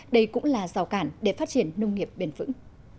đây cũng là rào cản để phát triển nông nghiệp bền vững